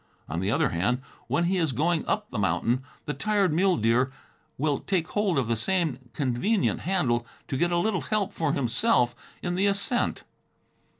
On the other hand, when he is going up the mountain, the tired muleteer will take hold of the same convenient handle to get a little help for himself in the ascent.